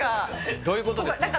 どういうことですか？